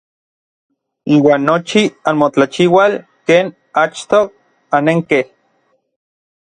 Iuan nochi anmotlachiual ken achtoj annenkej.